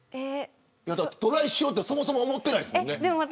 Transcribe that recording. トライしようってそもそも思ってないですもんね。